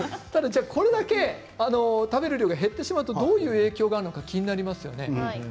これだけ食べる量が減ってしまうと、どういう影響があるか気になりますよね。